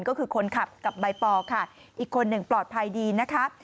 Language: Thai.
ก็คือคนขับกับใบปอค่ะอีกคนหนึ่งปลอดภัยดีนะคะ